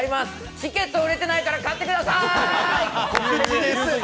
チケット売れてないから買ってくださーい！